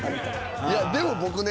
いやでも僕ね